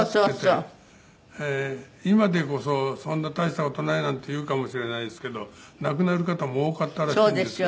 今でこそそんな大した事ないなんて言うかもしれないですけど亡くなる方も多かったらしいんですけど。